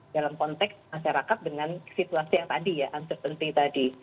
dalam konteks masyarakat dengan situasi yang tadi ya uncertainty tadi